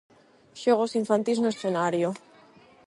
Xogos infantís no escenario.